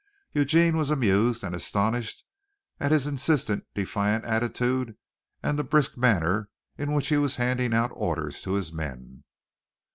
Eugene was amused and astonished at his insistent, defiant attitude and the brisk manner in which he was handing out orders to his men.